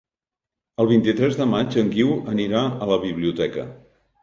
El vint-i-tres de maig en Guiu anirà a la biblioteca.